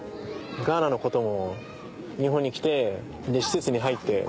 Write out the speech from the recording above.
ガーナのことも日本に来てで施設に入って。